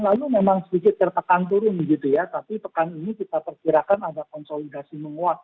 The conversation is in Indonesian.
lalu memang sedikit tertekan turun gitu ya tapi pekan ini kita perkirakan ada konsolidasi menguat